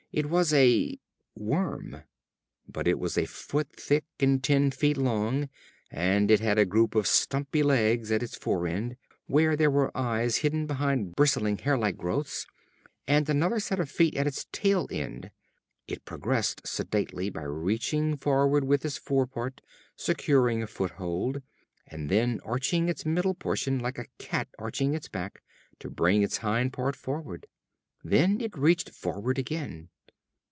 It was a worm. But it was a foot thick and ten feet long, and it had a group of stumpy legs at its fore end where there were eyes hidden behind bristling hair like growths and another set of feet at its tail end. It progressed sedately by reaching forward with its fore part, securing a foothold, and then arching its middle portion like a cat arching its back, to bring its hind part forward. Then it reached forward again.